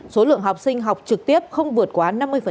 số lượng học sinh học trực tiếp không vượt quá năm mươi